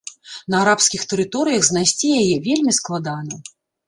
На арабскіх тэрыторыях знайсці яе вельмі складана.